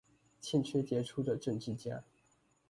欠缺傑出的政治家